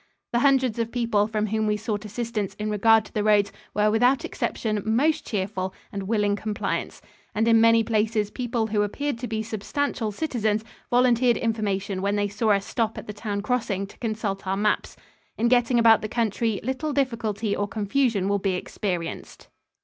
The hundreds of people from whom we sought assistance in regard to the roads were without exception most cheerful and willing compliants, and in many places people who appeared to be substantial citizens volunteered information when they saw us stop at the town crossing to consult our maps. In getting about the country, little difficulty or confusion will be experienced.